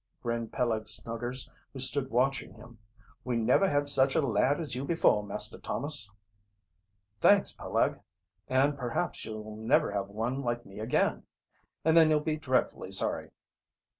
grinned Peleg Snuggers, who stood watching him. "We never had such a lad as you before Master Thomas." "Thanks, Peleg, and perhaps you'll never have one like me again and then you'll be dreadfully sorry."